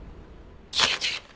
消えてる。